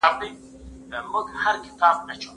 چا بچي غېږ کي نیول کراروله